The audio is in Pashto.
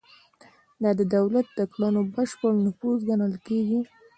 دا د دولت د کړنو بشپړ نفوذ ګڼل کیږي.